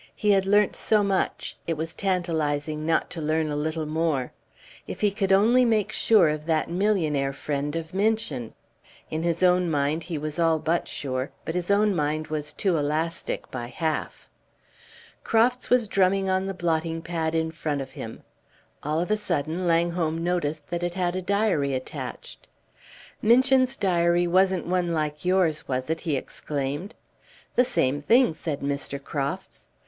He had learnt so much, it was tantalizing not to learn a little more. If he could only make sure of that millionaire friend of Minchin! In his own mind he was all but sure, but his own mind was too elastic by half. Crofts was drumming on the blotting pad in front of him; all of a sudden Langholm noticed that it had a diary attached. "Minchin's diary wasn't one like yours, was it?" he exclaimed. "The same thing," said Mr. Crofts.